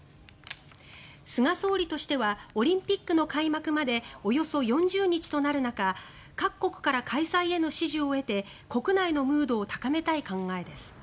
菅総理としてはオリンピックの開幕までおよそ４０日となる中各国から開催への支持を得て国内のムードを高めたい考えです。